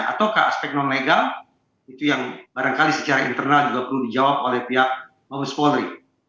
ataukah aspek non legal itu yang barangkali secara internal juga perlu dijawab oleh pihak mabes polri